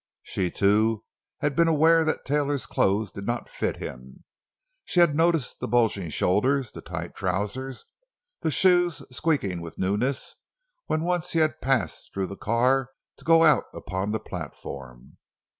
She, too, had been aware that Taylor's clothes did not fit him. She had noticed the bulging shoulders, the tight trousers, the shoes, squeaking with newness, when once he had passed through the car to go out upon the platform.